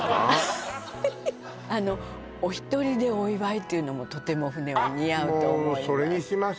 あのお一人でお祝いっていうのもとても船は似合うと思います